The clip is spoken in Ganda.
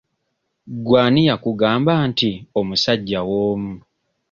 Gwe ani yakugamba nti omusajja w'omu?